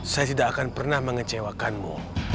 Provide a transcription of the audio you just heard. saya tidak akan pernah mengecewakanmu